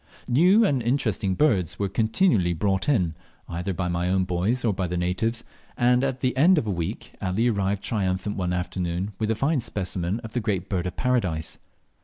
New and interesting birds were continually brought in, either by my own boys or by the natives, and at the end of a week Ali arrived triumphant one afternoon with a fine specimen of the Great Bird of Paradise.